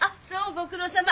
ご苦労さま。